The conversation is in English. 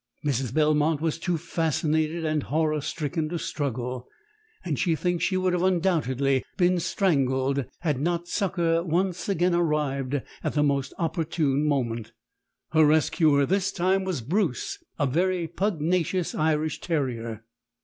"Mrs. Belmont was too fascinated and horror stricken to struggle, and she thinks she would undoubtedly have been strangled had not succour once again arrived at the most opportune moment. "Her rescuer this time was Bruce, a very pugnacious Irish terrier.